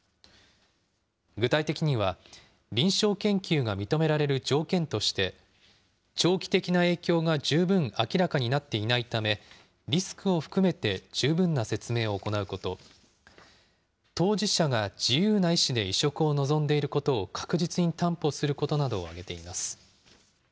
具体的には、臨床研究が認められる条件として、長期的な影響が十分明らかになっていないため、リスクを含めて十分な説明を行うこと、当事者が自由な意思で移植を望んでいることを確実に担保することなどを挙げています。